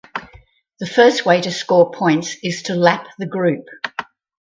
The first way to score points is to lap the group.